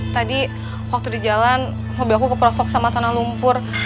tadi waktu di jalan hobi aku keperosok sama tanah lumpur